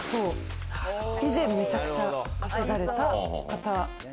以前めちゃくちゃ稼がれた方。